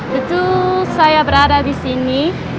betul saya berada di sini